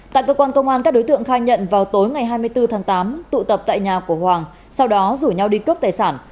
tại cơ quan công an các đối tượng khai nhận vào tối ngày hai mươi bốn tháng tám tụ tập tại nhà của hoàng sau đó rủ nhau đi cướp tài sản